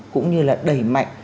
cũng như là đẩy mạnh